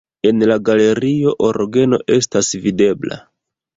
En la galerio orgeno estas videbla.